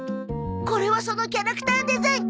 これはそのキャラクターデザイン。